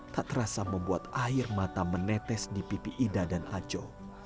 tak terasa membuat air mata menetes di pipi ida dan aco